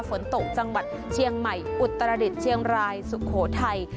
ฝนตกจังหวัดเชียงใหม่อุตรดิษฐ์เชียงรายสุโขทัย